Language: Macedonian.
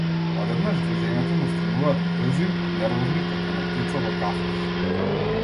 Одеднаш движењата му стануваат брзи, нервозни, како на птица во кафез.